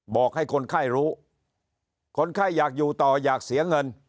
บอกให้คนไข้รู้คนไข้อยากอยู่ต่ออยากเสียเงิน